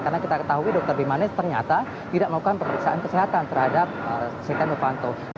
karena kita ketahui dokter bimanesh ternyata tidak melakukan pemeriksaan kesehatan terhadap setia novanto